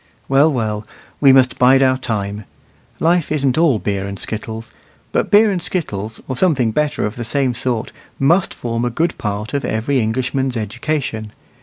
Well, well, we must bide our time. Life isn't all beer and skittles; but beer and skittles, or something better of the same sort, must form a good part of every Englishman's education.